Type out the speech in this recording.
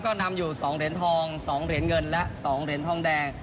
ก็นำอยู่๒เหรียญทอง๒เหรียญเงินและ๒เหรียญทองแดง